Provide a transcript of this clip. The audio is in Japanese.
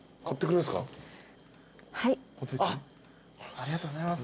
ありがとうございます。